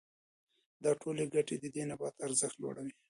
دا ټولې ګټې د دې نبات ارزښت لوړوي.